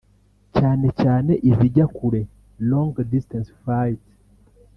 cyane cyane izijya kure (long-distance flights)